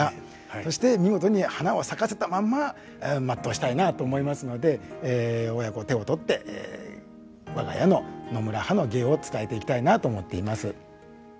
そして見事に花を咲かせたまんま全うしたいなと思いますので親子手を取って我が家の野村派の芸を伝えていきたいなと思っています。